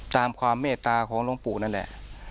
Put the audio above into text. ตามความเมตตาของหลวงปู่นั่นแหละ